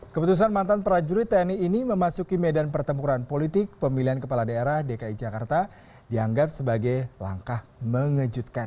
keputusan mantan prajurit tni ini memasuki medan pertempuran politik pemilihan kepala daerah dki jakarta dianggap sebagai langkah mengejutkan